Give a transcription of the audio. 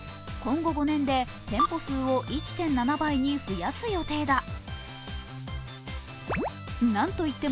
今後５年で店舗数を１．７倍に増やす予定だ。